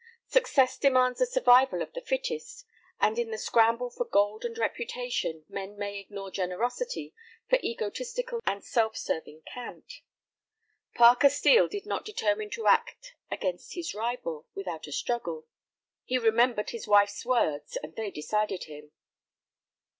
Success demands the survival of the fittest, and in the scramble for gold and reputation men may ignore generosity for egotistical and self serving cant. Parker Steel did not determine to act against his rival, without a struggle. He remembered his wife's words, and they decided him.